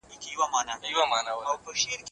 ميرمن بايد خاوند پر خپلو تصميمونو بيزار نکړي.